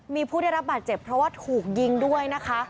มีผู้ได้รับบาดเจ็บเพราะว่าถูกยิงด้วยนะคะ